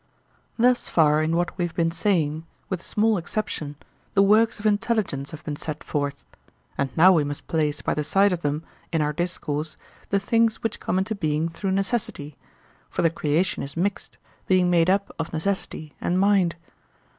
Thus far in what we have been saying, with small exception, the works of intelligence have been set forth; and now we must place by the side of them in our discourse the things which come into being through necessity—for the creation is mixed, being made up of necessity and mind.